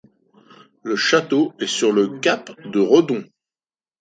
Le château est sur le Cap de Rodon.